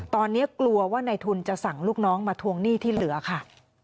ตอนนี้กลัวว่าในทุนจะสั่งลูกน้องมาทวงหนี้ที่เหลือค่ะ